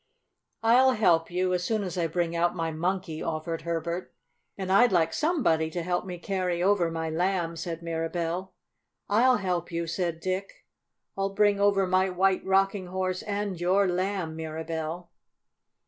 "I'll help you, as soon as I bring out my Monkey," offered Herbert. "And I'd like somebody to help me carry over my Lamb," said Mirabell. "I'll help you," said Dick. "I'll bring over my White Rocking Horse and your Lamb, Mirabell."